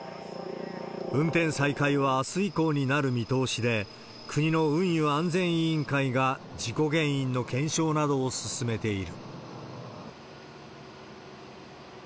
運転再開はあす以降になる見通しで、国の運輸安全委員会が事故原因の検証などを進めている。